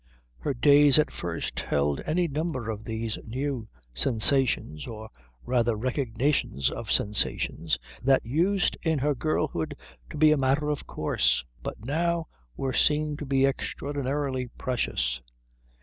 Her days at first held any number of these new sensations or rather recognitions of sensations that used in her girlhood to be a matter of course, but now were seen to be extraordinarily precious.